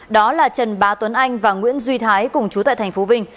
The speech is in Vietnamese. đó là trần bá tuấn anh và nguyễn duy thái cùng chú tại tp vinh